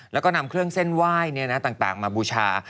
แล้วก็นำเครื่องเส้นไหว้ต่างมาบูชา